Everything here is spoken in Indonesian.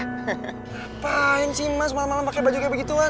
ngapain sih mas malem malem pake baju kayak begitu lah